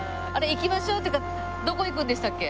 行きましょうってどこ行くんでしたっけ？